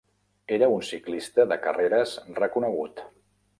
Era un ciclista de carreres reconegut.